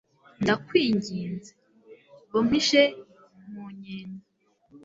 ndakwinginze, ba umpishe mu nyenga